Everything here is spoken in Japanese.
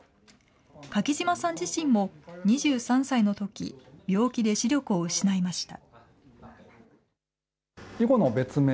柿島さん自身も、２３歳のとき、病気で視力を失いました。